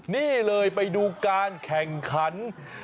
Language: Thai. นี่เลยไปดูการแข่งขัน